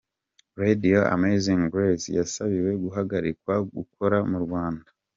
Radiyo Amazing Grace yasabiwe guhagakikwa gukora mu Rwanda.